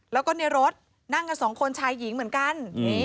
แล้วก็ในรถนั่งกันสองคนชายหญิงเหมือนกัน